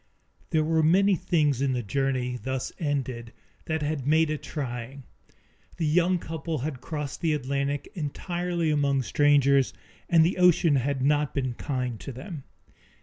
There were many things in the journey, thus ended, that had made it trying. The young couple had crossed the Atlantic entirely among strangers and the ocean had not been kind to them.